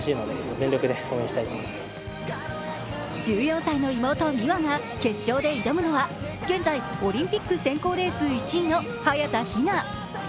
１４歳の妹・美和が決勝で挑むのは現在、オリンピック選考レース１位の早田ひな。